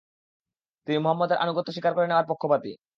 তিনি মুহাম্মাদের আনুগত্য স্বীকার করে নেয়ার পক্ষপাতী।